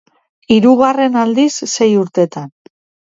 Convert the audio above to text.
Hirugarren aldiz sei urtean.